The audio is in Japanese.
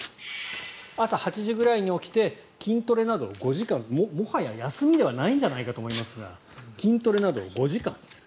朝８時くらいに起きて筋トレなどを５時間もはや休みではないんじゃないかと思いますが筋トレなどを５時間する。